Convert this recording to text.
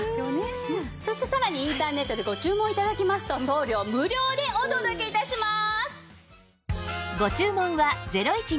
そしてさらにインターネットでご注文頂きますと送料無料でお届け致します。